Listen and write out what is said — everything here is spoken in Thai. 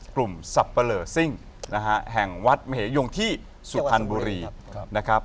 สับปะเลอร์ซิ่งนะฮะแห่งวัดมเหยงที่สุพรรณบุรีนะครับ